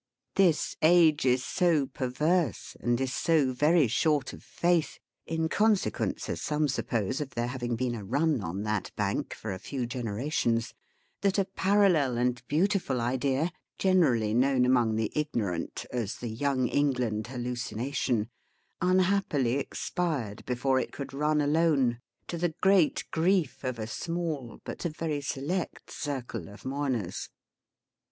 This age is so pel verse, and is so very short of faith — in consequence, as some suppose, of there having been a run on that bank for a few generations — that a parallel and beau tiful idea, generally known among the ignorant as the Young England hallucination, unhap pily expired before it could run alone, to the great grief of a small but a very select circle of mourners.